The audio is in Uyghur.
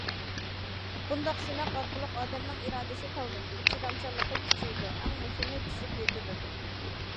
بۇنداق سىناق ئارقىلىق ئادەمنىڭ ئىرادىسى تاۋلىنىدۇ، چىدامچانلىقى كۈچىيىدۇ، ئەڭ مۇھىمى پىشىپ يېتىلىدۇ.